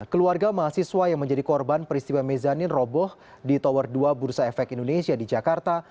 keluarga mahasiswa yang menjadi korban peristiwa mezanin roboh di tower dua bursa efek indonesia di jakarta